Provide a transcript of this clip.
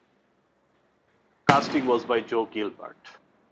Casting was by Jo Gilbert.